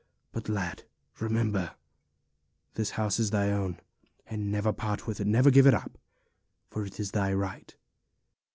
But, lad, remember this house is thy own, and never part with it; never give it up, for it is thy right.